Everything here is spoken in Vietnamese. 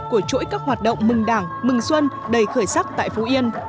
của chuỗi các hoạt động mừng đảng mừng xuân đầy khởi sắc tại phú yên